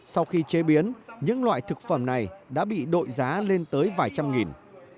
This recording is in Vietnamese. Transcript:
sau khi chế biến những loại thực phẩm này đã bị đội giá lên tới vài trăm nghìn